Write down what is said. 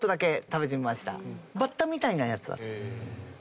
バッタみたいなやつだった。